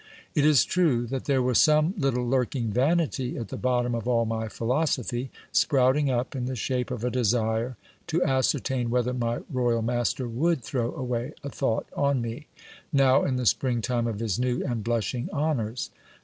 It is true that there was some little lurking vanity at the bottom of all my philosophy, sprouting up in the shape of a desire to ascertain whether my royal master would throw away a thought on me, now in the spring time of his new and blushing honours.